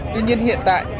tuy nhiên hiện tại